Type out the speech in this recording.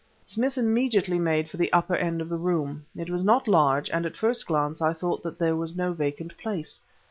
Smith immediately made for the upper end of the room. It was not large, and at first glance I thought that there was no vacant place.